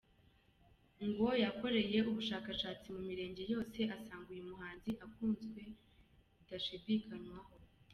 Ngo yakoreye ubushakashatsi mu mirenge yose asanga uyu muhanzi akunzwe bidashidikanywaho.